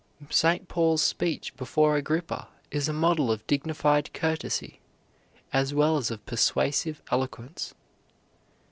St. Paul's speech before Agrippa is a model of dignified courtesy, as well as of persuasive eloquence.